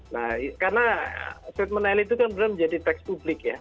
nah karena statement elit itu kan belum jadi teks publik ya